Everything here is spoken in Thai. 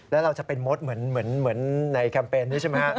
แล้วเราจะเป็นมดเหมือนในแคมเปญนี้ใช่ไหมฮะ